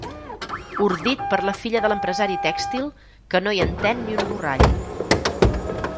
Ordit per la filla de l'empresari tèxtil, que no hi entén ni un borrall.